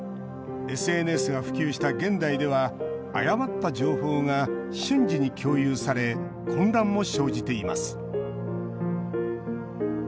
ＳＮＳが普及した現代では誤った情報が瞬時に共有され混乱も生じています。